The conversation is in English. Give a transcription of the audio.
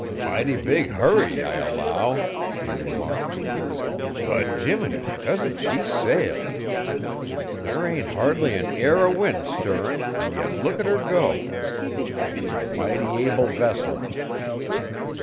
"Mighty big hurry, I allow," he remarked. "But, Jiminy, doesn't she sail! There ain't hardly an air o' wind stirrin' and yet look at her go! She's a mighty able vessel."